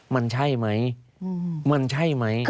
มันใช่ไหม